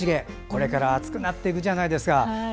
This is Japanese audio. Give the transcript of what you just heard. これから暑くなっていくじゃないですか。